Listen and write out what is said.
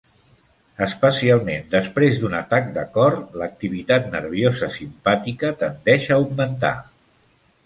Especialment després d'un atac de cor, l'activitat nerviosa simpàtica tendeix a augmentar.